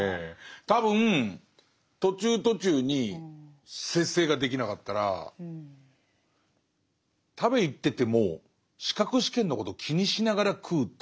多分途中途中に節制ができなかったら食べに行ってても資格試験のことを気にしながら食うっていう